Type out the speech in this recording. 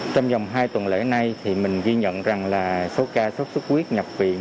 trong dòng hai tuần lễ nay thì mình ghi nhận rằng là số ca sốt xuất huyết nhập viện